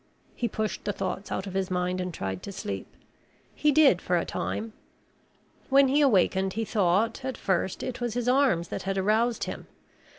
He pushed the thoughts out of his mind and tried to sleep. He did for a time. When he awakened he thought, at first, it was his arms that had aroused him.